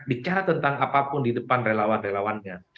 bicara tentang apapun di depan relawan relawannya